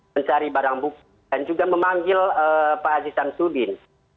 mencari barang buku dan juga memanggil pak aziz syamsuddin